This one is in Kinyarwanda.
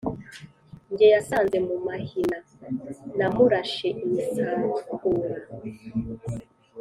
jye yasanze mu mahina namurashe imisakura,